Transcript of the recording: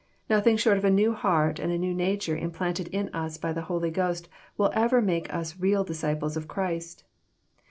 Nothing short of a new heart and a new nature implanted in us by the Holy Ghost, will ever make us real disciples of Christ.